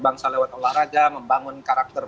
bangsa lewat olahraga membangun karakter